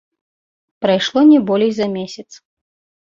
Прайшло не болей за месяц.